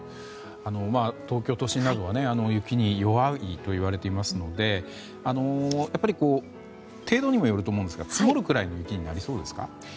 東京都心などは雪に弱いといわれていますのでやっぱり程度にもよると思うんですが積もるくらいの雪になりそうですか？